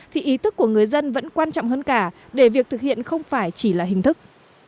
thì ý thức của người dân vẫn quan trọng hơn cả để việc thực hiện không phải chỉ là hình thức